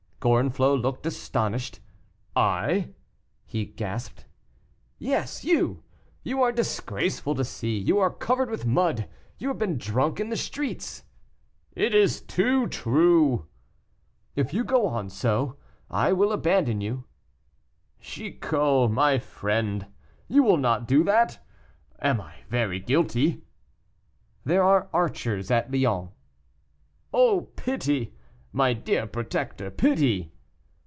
Gorenflot looked astonished. "I!" he gasped. "Yes, you; you are disgraceful to see; you are covered with mud; you have been drunk in the streets." "It is too true!" "If you go on so, I will abandon you." "Chicot, my friend, you will not do that? Am I very guilty?" "There are archers at Lyons." "Oh, pity! my dear protector, pity!"